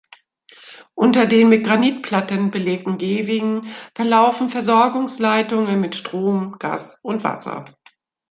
Unter den mit Granitplatten belegten Gehwegen verlaufen Versorgungsleitungen mit Strom, Gas und Wasser.